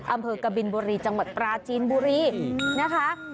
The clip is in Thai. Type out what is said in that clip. อำเภอกบินบุรีจังหวัดปราจีนบุรีนะคะ